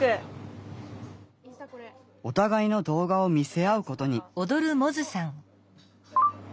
お互いの動画を見せ合うことに。